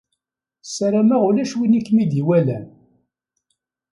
Sarameɣ ulac win i kem-id-iwalan.